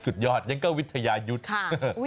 สุดยอดก็วิทยายุทธ์